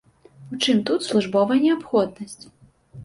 У чым тут службовая неабходнасць?